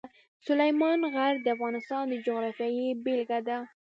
سلیمان غر د افغانستان د جغرافیې بېلګه ده.